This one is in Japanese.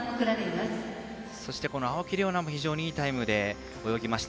そして青木玲緒樹も非常にいいタイムで泳ぎました。